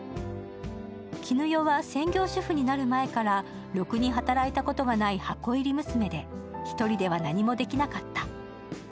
絹代は専業主婦になる前からろくに働いたことがない箱入り娘で１人では何もできなかった。